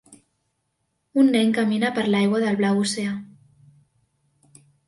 Un nen camina per l'aigua del blau oceà.